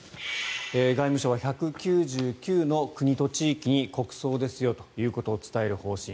外務省は１９９の国と地域に国葬ですよということを伝える方針